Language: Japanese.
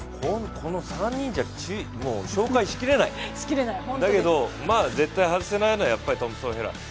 この３人じゃ紹介しきれないだけど絶対外せないのはトンプソン・ヘラ。